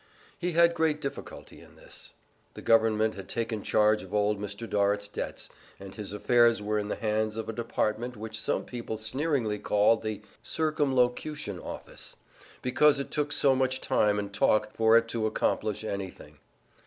He had great difficulty in this. The Government had taken charge of old Mr. Dorrit's debts, and his affairs were in the hands of a department which some people sneeringly called the "Circumlocution Office" because it took so much time and talk for it to accomplish anything.